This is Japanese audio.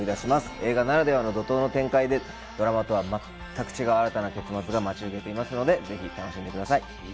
映画ならではの怒涛の展開で、ドラマと全く違う新たな結末が待ち受けていますので、ぜひお楽しみください。